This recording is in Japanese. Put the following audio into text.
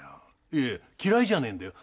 いやいや嫌いじゃねえんだよ。